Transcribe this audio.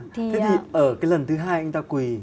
thế thì ở cái lần thứ hai anh ta quỳ